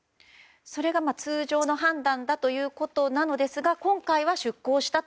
それが通常の判断ということなのですが今回は出港した。